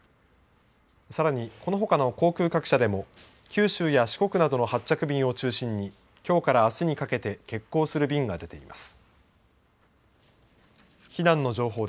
さらに、このほかの航空各社でも九州や四国などの発着便を中心にきょうからあすにかけて欠航する便が出ています。